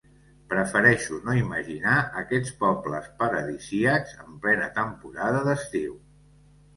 Prefereixo no imaginar aquests poblets paradisíacs en plena temporada d'estiu.